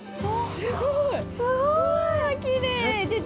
◆すごい。